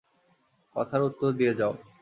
কথার উত্তর দিয়ে যাও।